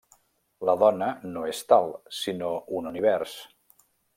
La dona no és tal, sinó un univers.